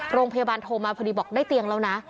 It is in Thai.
โรงพยาบาลโทรมาพอดีบอกได้เตียงแล้วนะ